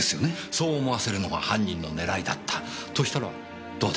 そう思わせるのが犯人の狙いだったとしたらどうでしょう？